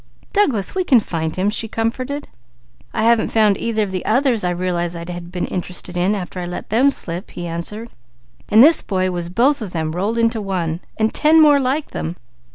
"Douglas, we can find him!" she comforted. "I haven't found either of the others I realized I'd have been interested in, after I let them slip," he answered, "while this boy was both of them rolled into one, and ten more like them."